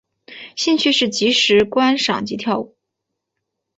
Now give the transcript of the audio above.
兴趣是即时观赏及跳舞。